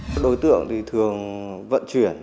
các đối tượng thường vận chuyển